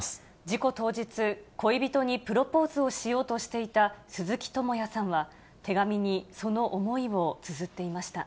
事故当日、恋人にプロポーズをしようとしていた鈴木智也さんは、手紙にその思いをつづっていました。